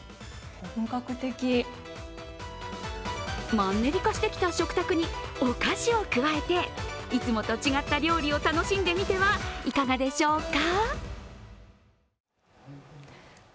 マンネリ化してきた食卓にお菓子を加えていつもと違った料理を楽しんでみてはいかがでしょうか。